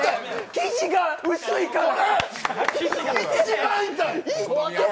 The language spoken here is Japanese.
生地が薄いから！